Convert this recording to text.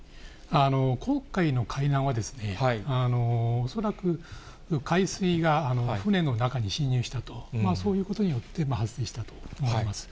今回の海難は、恐らく海水が船の中に進入したと、そういうことによって発生したと思われます。